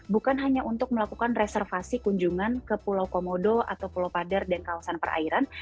bukan hanya untuk melakukan reservasi kunjungan ke pulau komodo atau pulau padar dan kawasan perairan